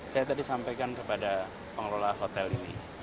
saya tadi sampaikan kepada pengelola hotel ini